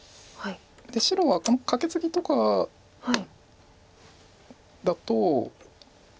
白がこのカケツギとかだと。